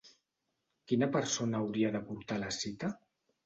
Quina persona hauria de portar a la cita?